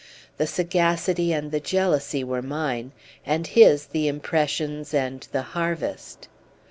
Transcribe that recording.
The sagacity and the jealousy were mine, and his the impressions and the harvest.